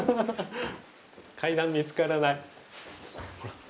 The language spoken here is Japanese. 階段見つからない？